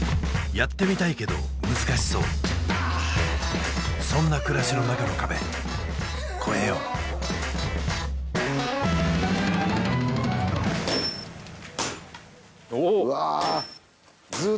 やってみたいけど難しそうそんな暮らしの中の壁越えようおおっうわっ